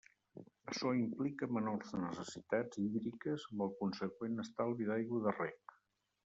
Açò implica menors necessitats hídriques amb el consegüent estalvi d'aigua de reg.